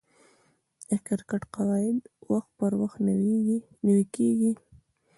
د کرکټ قواعد وخت پر وخت نوي کیږي.